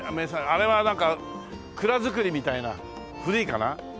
あれはなんか蔵造りみたいな古いかな？